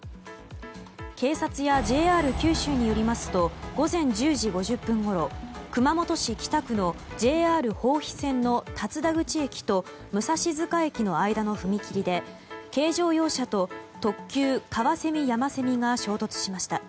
警察やＪＲ九州によりますと午前１０時５０分ごろ熊本市北区のＪＲ豊肥線の竜田口駅と武蔵塚駅の間の踏切で軽乗用車と特急「かわせみやませみ」が衝突しました。